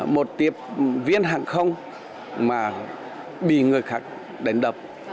một tiếp viên hàng không mà bị người khác đánh đập